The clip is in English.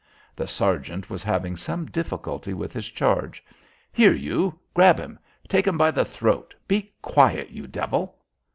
The sergeant was having some difficulty with his charge. "Here, you, grab 'im. Take 'im by the throat. Be quiet, you devil."